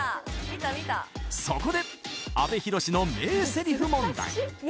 見た見たそこで阿部寛の名セリフ問題